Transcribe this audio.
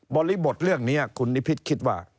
บริบทเรื่องนี้คุณนิพิษคิดว่า